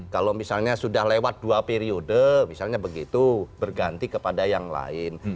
kalau misalnya sudah lewat dua periode misalnya begitu berganti kepada yang lain